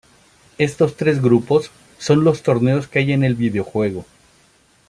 Estos tres grupos son los torneos que hay en el videojuego.